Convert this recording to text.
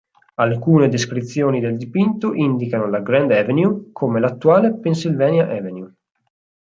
Alcune descrizioni del dipinto indicano la "grand avenue" come l'attuale Pennsylvania Avenue.